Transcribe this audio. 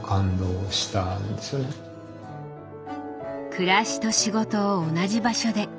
暮らしと仕事を同じ場所で。